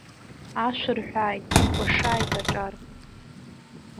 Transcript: Ашәа рҳәааит, икәашааит аҿар.